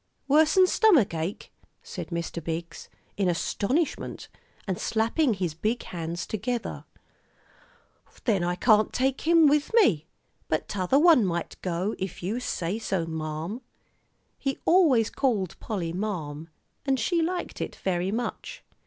"Worse'n stomach ache," said Mr. Biggs, in astonishment, and slapping his big hands together; "then I can't take him with me. But t'other one might go, if you say so, marm." He always called Polly marm, and she liked it very much.